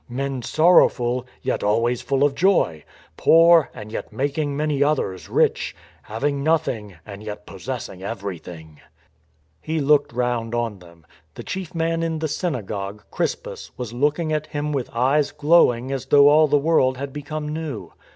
. men sorrowful yet always full of joy; poor and yet making many others rich, having nothing and yet possessing everything," He looked round on them. The chief man in the synagogue, Crispus, was looking at him with eyes glowing as though all the world had become new.